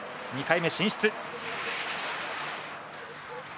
２回目進出。